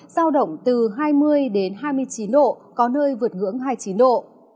giao động từ hai mươi đến hai mươi chín độ có nơi vượt ngưỡng hai mươi chín độ